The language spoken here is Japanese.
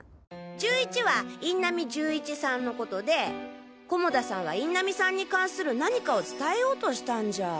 「１１」は印南銃一さんのことで菰田さんは印南さんに関する何かを伝えようとしたんじゃ。